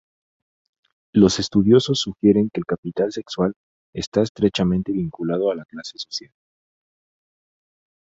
Los estudiosos sugieren que el capital sexual está estrechamente vinculado a la clase social.